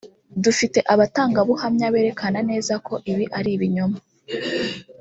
« Dufite abatangabuhamya berekana neza ko ibi ari ibinyoma